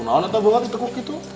kau kenapa teng begitu